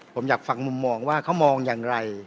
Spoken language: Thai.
ผมอยากฟังมุมมองว่าเขามองอย่างไร